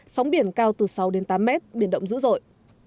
sóng biển cao từ sáu tám m biển động dữ dội